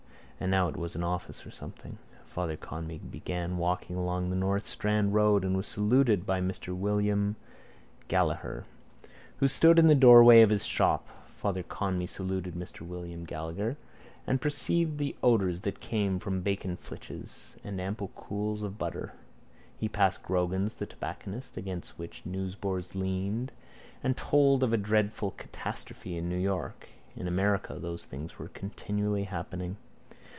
And now it was an office or something. Father Conmee began to walk along the North Strand road and was saluted by Mr William Gallagher who stood in the doorway of his shop. Father Conmee saluted Mr William Gallagher and perceived the odours that came from baconflitches and ample cools of butter. He passed Grogan's the Tobacconist against which newsboards leaned and told of a dreadful catastrophe in New York. In America those things were continually happening.